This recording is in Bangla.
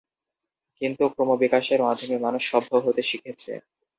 কিন্তু ক্রমবিকাশের মাধ্যমে মানুষ সভ্য হতে শিখেছে।